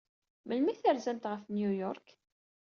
Melmi ay terzamt ɣef New York?